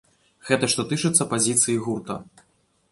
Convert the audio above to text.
Гэта што тычыцца пазіцыі гурта.